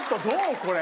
これ。